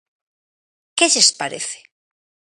¿Que lles parece?